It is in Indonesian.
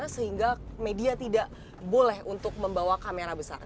sehingga media tidak boleh untuk membawa kamera besar